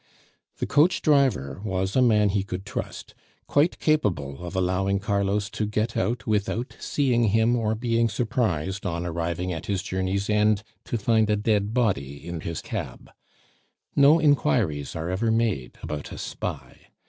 The coach driver was a man he could trust, quite capable of allowing Carlos to get out without seeing him, or being surprised, on arriving at his journey's end, to find a dead body in his cab. No inquiries are ever made about a spy.